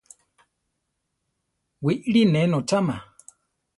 Wiʼri ne notzama.